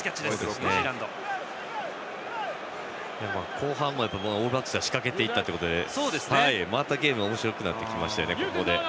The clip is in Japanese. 後半もオールブラックスが仕掛けていったことでまたゲームがおもしろくなってきました。